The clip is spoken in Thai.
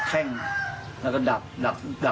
เตรียมป้องกันแชมป์ที่ไทยรัฐไฟล์นี้โดยเฉพาะ